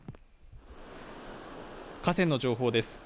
河川の情報です。